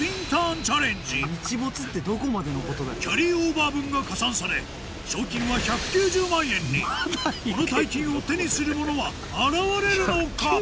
キャリーオーバー分が加算されこの大金を手にする者は現れるのか？